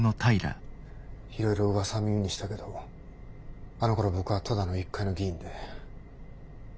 いろいろうわさは耳にしたけどあのころ僕はただの一介の議員で。